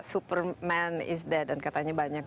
superman is that dan katanya banyak